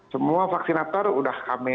semua vaksinator udah kami